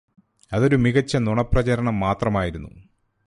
അതൊരു മികച്ച നുണപ്രചരണം മാത്രമായിരുന്നു